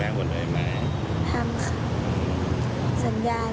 เก่งแข็งเยอะเรียบร้อย